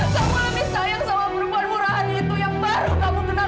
kamu sayang sama perempuan muraan itu yang baru kamu kenal